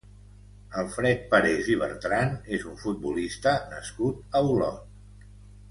Alfred Parés i Bertran és un futbolista nascut a Olot.